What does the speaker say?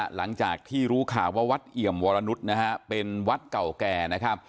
หลังจากที่รู้ข่าวว่าวัดเอี่ยมวรนุษย์เป็นวัดเก่าแก่